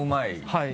はい。